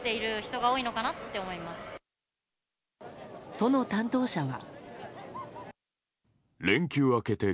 都の担当者は。